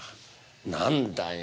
何だよ